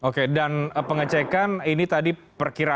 oke dan pengecekan ini tadi perkiraan